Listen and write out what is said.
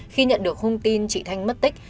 khi nhận được thông tin chị thanh mất tích